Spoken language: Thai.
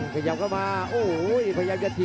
โอ้โหไม่พลาดกับธนาคมโด้แดงเขาสร้างแบบนี้